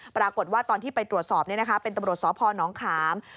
ปรากฏว่าวที่ไปตรวจสอบตำรวจสพนขาม